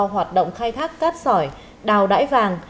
hoạt động khai thác cát sỏi đào đáy vàng